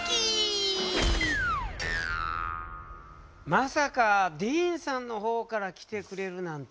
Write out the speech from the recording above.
まさかディーンさんの方から来てくれるなんてね。